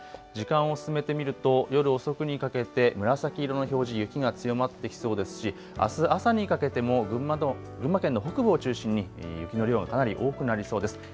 時間を進めてみると夜遅くにかけて紫色の表示、雪が強まってきそうですしあす朝にかけても群馬県の北部を中心に雪の量、かなり多くなりそうです。